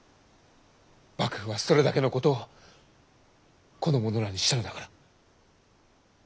幕府はそれだけのことをこの者らにしたのだから！